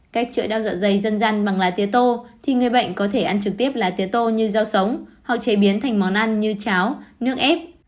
cách chữa đau dạ dày dân gian bằng lá tê tô thì người bệnh có thể ăn trực tiếp là tế tô như rau sống hoặc chế biến thành món ăn như cháo nước ép